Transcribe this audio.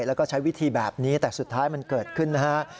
แล้วก็ใช้วิธีแบบนี้แต่สุดท้ายมันเกิดขึ้นนะฮะ